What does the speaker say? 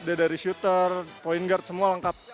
dia dari shooter point guard semua lengkap